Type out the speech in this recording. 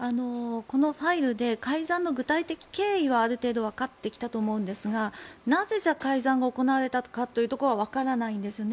このファイルで改ざんの具体的経緯はある程度わかってきたと思うんですがなぜ、改ざんが行われたかというところはわからないんですね。